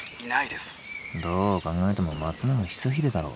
どう考えても松永久秀だろこれ。